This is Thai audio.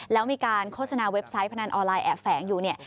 แล้วมีการโฆษณาเว็บไซต์พนันออนไลน์แอบแฝงอยู่เนี่ย